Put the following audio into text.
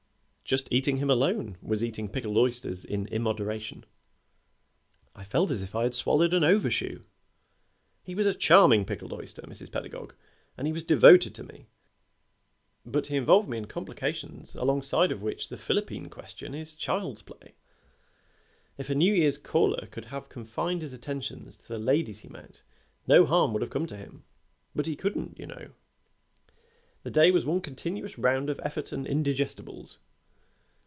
Just eating him alone was eating pickled oysters in immoderation. I felt as if I had swallowed an overshoe. He was a charming pickled oyster, Mrs. Pedagog, and he was devoted to me, but he involved me in complications alongside of which the Philippine question is child's play. If a New Year's caller could have confined his attentions to the ladies he met no harm would have come to him, but he couldn't, you know. The day was one continuous round of effort and indigestibles.